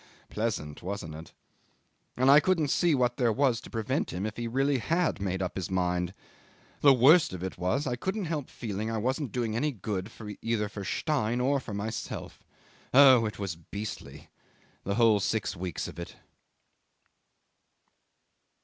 Pleasant, wasn't it? And I couldn't see what there was to prevent him if he really had made up his mind. The worst of it was, I couldn't help feeling I wasn't doing any good either for Stein or for myself. Oh! it was beastly the whole six weeks of it."